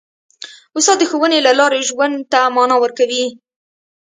استاد د ښوونې له لارې ژوند ته مانا ورکوي.